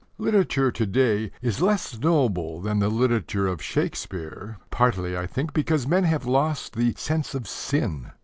Literature to day is less noble than the literature of Shakespeare, partly, I think, because men have lost the "sense of sin."